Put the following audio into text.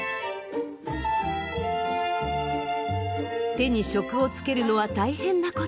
手に職をつけるのは大変なこと。